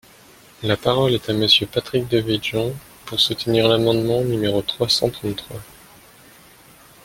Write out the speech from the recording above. La parole est à Monsieur Patrick Devedjian, pour soutenir l’amendement numéro trois cent trente-trois.